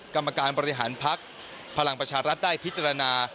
กรรมการบริหารพักพลังประชารัฐได้พิจารณา